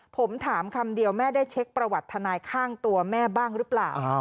ผมถามคำเดียวแม่ได้เช็คประวัติทนายข้างตัวแม่บ้างหรือเปล่า